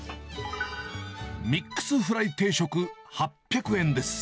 ミックスフライ定食８００円です。